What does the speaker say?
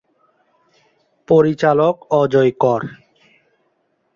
পরিচালক অজয় কর।